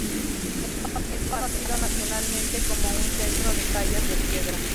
Es conocido nacionalmente como un centro de tallas de piedra.